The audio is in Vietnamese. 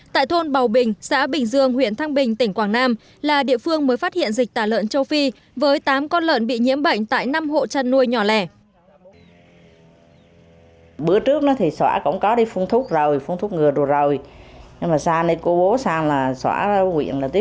tại thôn bào bình xã bình dương huyện thăng bình tỉnh quảng nam là địa phương mới phát hiện dịch tả lợn châu phi với tám con lợn bị nhiễm bệnh tại năm hộ chăn nuôi nhỏ lẻ